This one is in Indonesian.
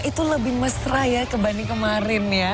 itu lebih mesra ya dibanding kemarin ya